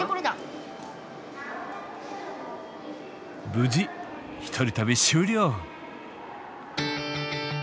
無事１人旅終了。